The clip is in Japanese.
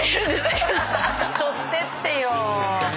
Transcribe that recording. しょってってよ。